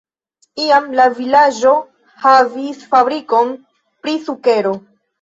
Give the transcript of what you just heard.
Iam la vilaĝo havis fabrikon pri sukero.